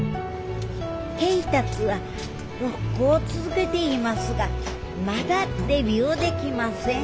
恵達はロックを続けていますがまだデビューできません。